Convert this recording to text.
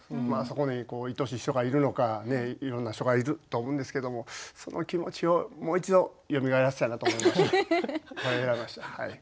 まあそこに愛しい人がいるのかいろんな人がいると思うんですけどもその気持ちをもう一度よみがえらせたいなと思いましてこれを選びました。